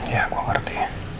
ya gua ngerti